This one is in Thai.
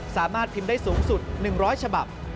สามารถพิมพ์ได้สูงสุด๑๐๐ฉบับ